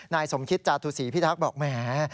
นายสมคิตจาตุศีพิทักษ์บอกแหม